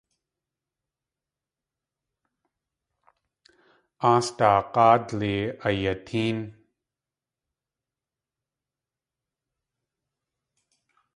Aasdaag̲áadli ayatéen.